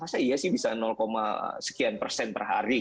masa iya sih bisa sekian persen per hari